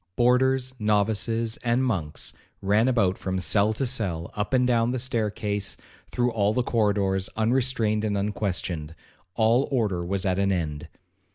Boarders, novices, and monks, ran about from cell to cell, up and down the staircase, through all the corridors, unrestrained and unquestioned,—all order was at an end.